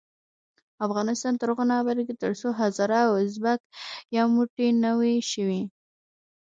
افغانستان تر هغو نه ابادیږي، ترڅو هزاره او ازبک یو موټی نه وي شوي.